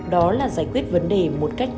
đó là giải quyết vấn đề một cách cần cơ